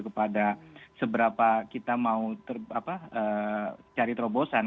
kepada seberapa kita mau cari terobosan